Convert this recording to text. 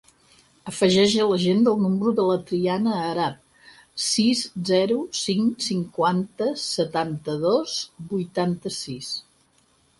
Afegeix a l'agenda el número de la Triana Aarab: sis, zero, cinc, cinquanta, setanta-dos, vuitanta-sis.